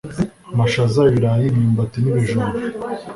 amashaza, ibirayi, imyumbati n’ibijumba.